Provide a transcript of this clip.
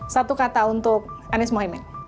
satu kata untuk anies mohaimin